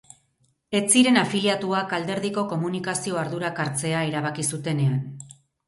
Ez ziren afiliatuak alderdiko komunikazio ardurak hartzea erabaki zutenean.